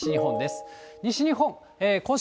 西日本です。